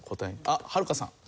あっはるかさん。